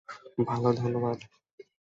ভাল, ধন্যবাদ।